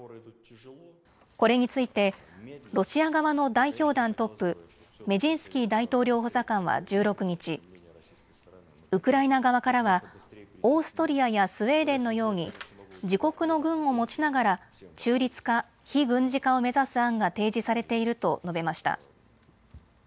これについてロシア側の代表団トップメジンスキー大統領補佐官は１６日、ウクライナ側からはオーストリアやスウェーデンのように自国の軍を持ちながら中立化・非軍事化を目指す案が提示されていると述べました。